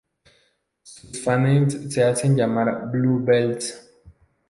Sus fanes se hacen llamar Blue Bells.